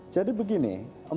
jadi begini empat